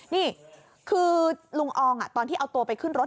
นี่คือลุงอองตอนที่เอาตัวไปขึ้นรถ